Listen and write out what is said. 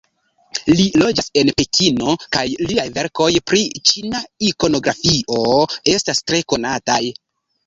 Li loĝas en Pekino kaj liaj verkoj pri ĉina ikonografio estas tre konataj.